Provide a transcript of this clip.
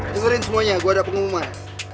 dengerin semuanya gue ada pengumuman